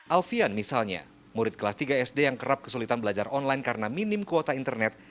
alfian misalnya murid kelas tiga sd yang kerap kesulitan belajar online karena minim kuota internet